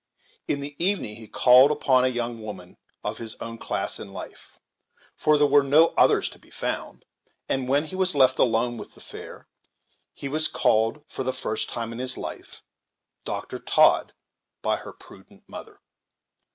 In the evening he called upon a young woman of his own class in life, for there were no others to be found, and, when he was left alone with the fair, he was called, for the first time in his life, Dr. Todd, by her prudent mother.